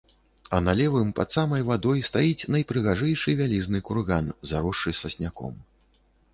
А на левым, пад самай вадой стаіць найпрыгажэйшы вялізны курган, заросшы сасняком.